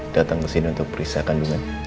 datang kesini untuk periksa kandungan